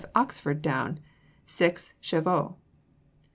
Oxford Down. 6. Cheviot.